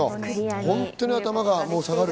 本当に頭が下がる。